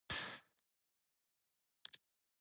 あさくらみくる